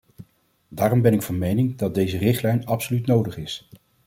Daarom ben ik van mening dat deze richtlijn absoluut nodig is.